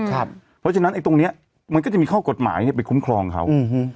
เพราะฉะนั้นตรงนี้มันก็จะมีข้อกฎหมายไปคุ้มครองเขา